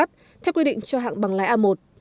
theo quy định cho hạng bằng lái a một